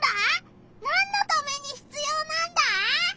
なんのためにひつようなんだ？